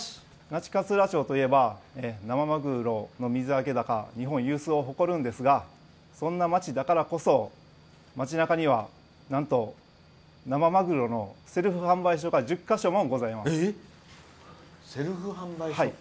那智勝浦町といえば生マグロの水揚げ高日本有数を誇るんですがそんな町だからこそ町なかには、なんと生マグロのセルフ販売所が１０か所もございます。